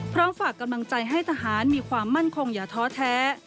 ฝากกำลังใจให้ทหารมีความมั่นคงอย่าท้อแท้